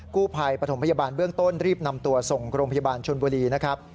กู้ภัยปฐมพยาบาลเบื้องต้นรีบนำตัวส่งโรงพยาบาลชนบุรีนะครับ